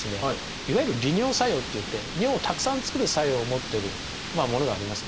いわゆる利尿作用っていって尿をたくさん作る作用を持ってるものがありますね。